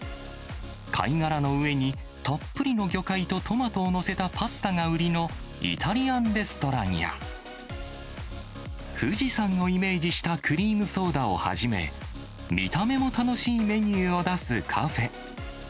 貝殻の上にたっぷりの魚介とトマトを載せたパスタが売りのイタリアンレストランや、富士山をイメージしたクリームソーダをはじめ、見た目も楽しいメニューを出すカフェ。